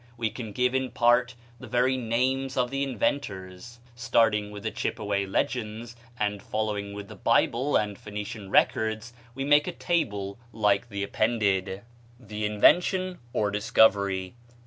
We can give in part the very names of the inventors. Starting with the Chippeway legends, and following with the Bible and Phoenician records, we make a table like the appended: ++++| The Invention or Discovery.